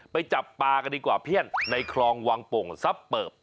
ไปจับปลากันดีกว่าเพี้ยนในคลองวังโป่งซับเปิบ